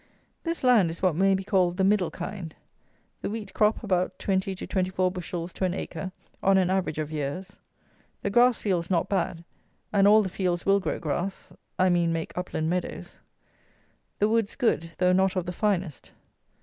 This land is what may be called the middle kind. The wheat crop about 20 to 24 bushels to an acre, on an average of years. The grass fields not bad, and all the fields will grow grass; I mean make upland meadows. The woods good, though not of the finest.